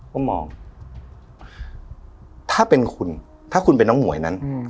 ก็มองถ้าเป็นคุณถ้าคุณเป็นน้องหมวยนั้น